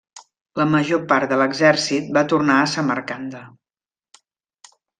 La major part de l'exèrcit va tornar a Samarcanda.